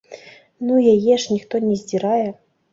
Ну яе ж ніхто не здзірае.